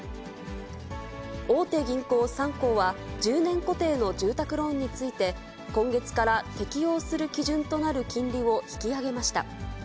大手銀行３行は、１０年固定の住宅ローンについて、今月から適用する基準となる金利を引き上げました。